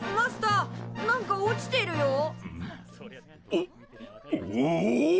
おおお！